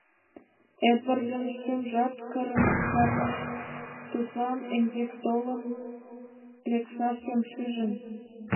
— Эдвардын шӱмжат кырымым чарныш: тудлан эҥгек толын лекшашым шижын.